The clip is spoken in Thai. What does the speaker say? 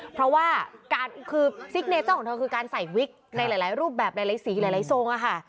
เพราะว่าคือซิกเนเจอร์ของเธอคือการใส่วิกในหลายรูปแบบหลายสีหลายทรงค่ะ